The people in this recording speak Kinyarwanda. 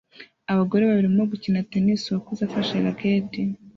Abagore babiri barimo gukina tennis uwakuze afashe racket